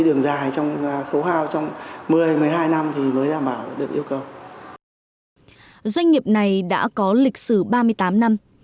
doanh nghiệp này đã có lịch sử ba mươi tám năm